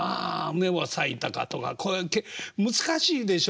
「梅は咲いたか」とかこれ難しいでしょ？